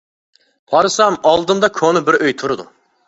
قارىسام ئالدىمدا كونا بىر ئۆي تۇرىدۇ.